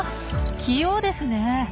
器用ですね。